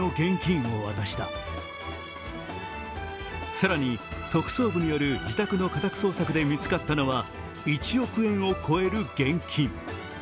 更に、特捜部による自宅の家宅捜索で見つかったのは１億円を超える現金。